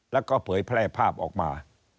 แล้วก็เผยแพร่ภาพออกมา